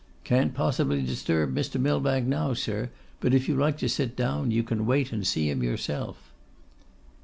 'Can't possibly disturb Mr. Millbank now, sir; but, if you like to sit down, you can wait and see him yourself.